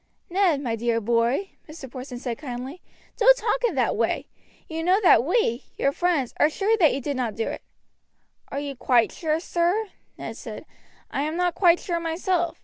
"Ned, my dear boy," Mr. Porson said kindly, "don't talk in that way. You know that we, your friends, are sure that you did not do it." "Are you quite sure, sir?" Ned said. "I am not quite sure myself.